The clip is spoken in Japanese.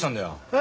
え？